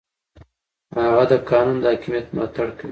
هغه د قانون د حاکمیت ملاتړ کوي.